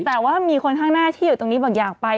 แต่ว่ามีคนข้างหน้าที่อยู่ตรงนี้บอกอยากไป